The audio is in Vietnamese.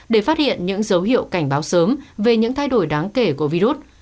để phát hiện những dấu hiệu cảnh báo sớm về những thay đổi đáng kể của virus